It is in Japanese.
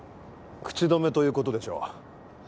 口止めという事でしょう。